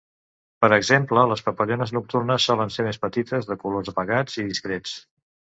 Per exemple, les papallones nocturnes solen ser més petites, de colors apagats i discrets.